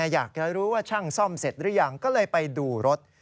อยากจะรู้ว่าช่างซ่อมเสร็จหรือยังก็เลยไปดูรถ